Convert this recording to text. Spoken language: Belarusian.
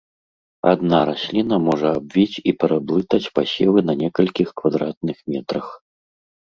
Адна расліна можа абвіць і пераблытаць пасевы на некалькіх квадратных метрах.